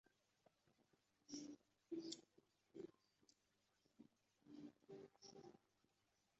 傅科摆